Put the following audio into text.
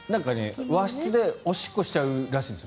和室でおしっこしちゃうらしいんです。